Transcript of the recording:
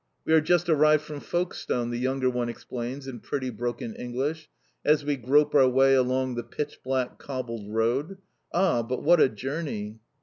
"We are just arrived from Folkestone," the younger one explains in pretty broken English, as we grope our way along the pitch black cobbled road. "Ah! But what a journey!"